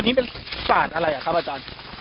อันนี้เป็นศาสตร์อะไรครับอาจารย์